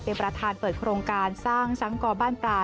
เป็นประธานเปิดโครงการสร้างสังกรบ้านปลา